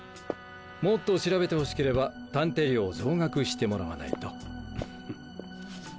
もっと調べてほしければ探偵料を増額してもらわないと。